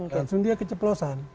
langsung dia keceplosan